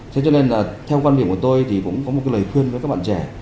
thế cho nên là theo quan điểm của tôi thì cũng có một cái lời khuyên với các bạn trẻ